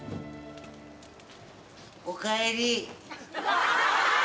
おかえり。